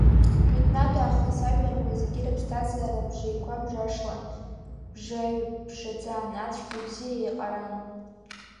Жәытәнатә аахыс ажәларқәа зегьы рыԥсҭазаара бжеиқәа-бжашлан, бжаҩабжаӡан, ацәгьеи абзиеи еиҟаран.